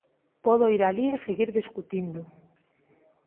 Podo ir alí e seguir discutindo.